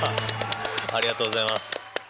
ありがとうございます。